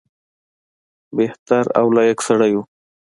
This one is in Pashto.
بهتر او لایق سړی وو.